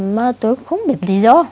mà tôi cũng không biết lý do